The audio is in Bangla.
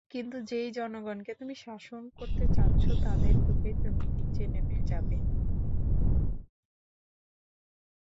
কিন্তু যেই জনগণকে তুমি শাসন করতে চাচ্ছ তাদের চোখেই তুমি নিচে নেমে যাবে।